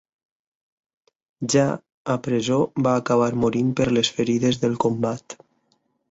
Ja a presó va acabar morint per les ferides del combat.